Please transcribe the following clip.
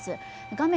画面